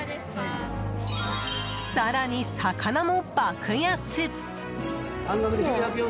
更に魚も爆安！